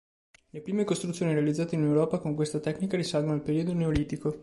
Le prime costruzioni realizzate in Europa con questa tecnica risalgono al periodo Neolitico.